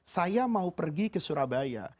saya mau pergi ke surabaya